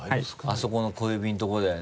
あそこの小指のとこだよね。